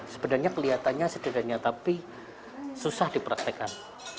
sebenarnya kelihatannya sederhananya tapi susah dipraktekkan